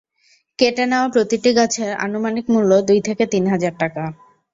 কেটে নেওয়া প্রতিটি গাছের আনুমানিক মূল্য দুই থেকে তিন হাজার টাকা।